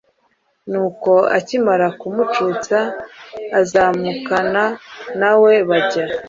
nuko akimara kumucutsa azamukana na we bajya